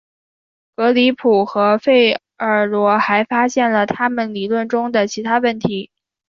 格里普和费尔罗还发现了他们理论中的其他问题。